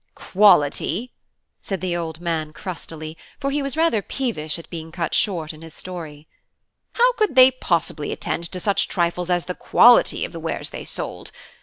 "Quality!" said the old man crustily, for he was rather peevish at being cut short in his story; "how could they possibly attend to such trifles as the quality of the wares they sold?